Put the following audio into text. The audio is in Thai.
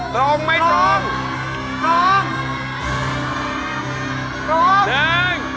ตรงไหมตรง